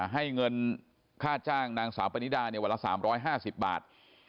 ให้เงินค่าจ้างนางสาวปนิดาวันละ๓๕๐บาท